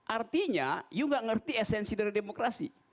artinya you gak ngerti esensi dari demokrasi